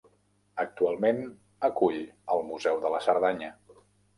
Actualment acull el museu de la Cerdanya.